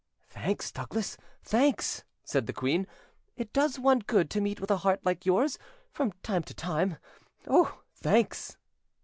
"Thanks, Douglas, thanks," said the queen; "it does one good to meet with a heart like yours from time to time—oh! thanks."